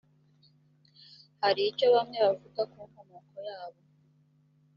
hari icyo bamwe bavuga ku nkomoko yabo